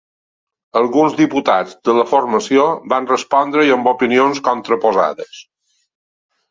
Alguns diputats de la formació van respondre-hi amb opinions contraposades.